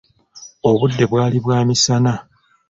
Obudde bwali bwa misana.